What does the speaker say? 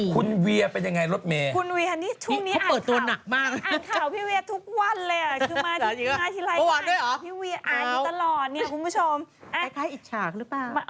คุณผู้ชมคล้ายอีกฉากหรือเปล่า